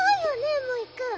モイくん。